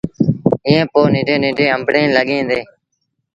ائيٚݩ پو ننڍيٚݩ ننڍيٚݩ آݩبڙيٚن لڳيٚن ديٚݩ۔